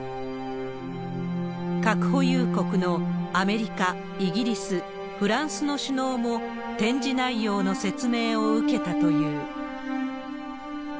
核保有国のアメリカ、イギリス、フランスの首脳も展示内容の説明を受けたという。